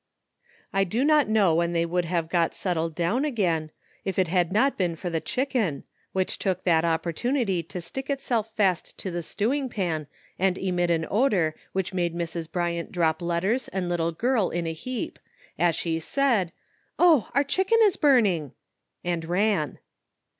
I do not know when they would have got set tled down again, if it had not been for the chicken, which took that opportunity to stick itself fast to the ste wing pan and emit an odor which made Mrs. Bryant drop letters and little girl in a heap, as she said, "Oh! our chicken is burning," and ran.